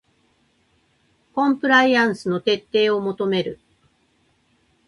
コンプライアンスの徹底を求める